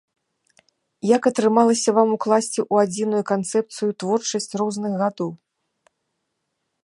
Як атрымалася вам укласці ў адзіную канцэпцыю творчасць розных гадоў?